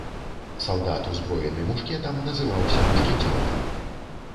Салдат, узброены мушкетам, называўся мушкецёрам.